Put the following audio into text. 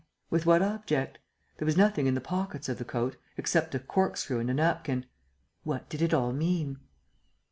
With what object? There was nothing in the pockets of the coat, except a corkscrew and a napkin. What did it all mean?